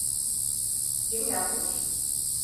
Kim yapmış?